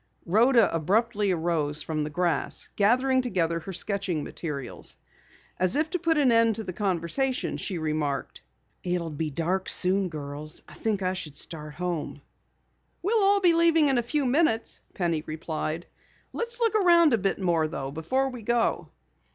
Rhoda abruptly arose from the grass, gathering together her sketching materials. As if to put an end to the conversation, she remarked: "It will soon be dark, girls. I think I should start home." "We'll all be leaving in a few minutes," Penny replied. "Let's look around a bit more though, before we go."